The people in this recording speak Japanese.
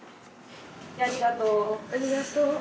ありがとう。